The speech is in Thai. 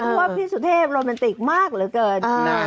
เพราะว่าพี่สุเทพโรแมนติกมากเหลือเกิน